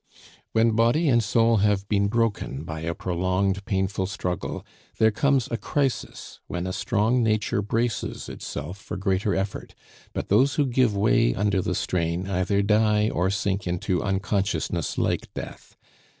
When body and soul have been broken by a prolonged painful struggle, there comes a crisis when a strong nature braces itself for greater effort; but those who give way under the strain either die or sink into unconsciousness like death.